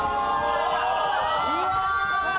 うわ！